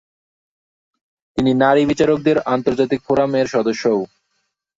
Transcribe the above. তিনি "নারী বিচারকদের আন্তর্জাতিক ফোরাম" এর সদস্যও।